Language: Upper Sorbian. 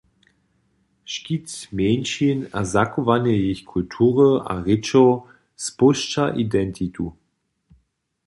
Škit mjeńšin a zachowanje jich kultury a rěčow spožča identitu.